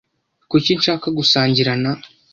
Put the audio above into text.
Kuki nshaka gusangira na ?